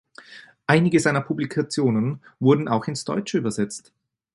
Einige seiner Publikationen wurden auch ins Deutsche übersetzt.